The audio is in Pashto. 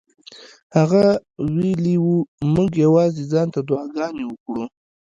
هغه ویلي وو موږ یوازې ځان ته دعاګانې وکړو.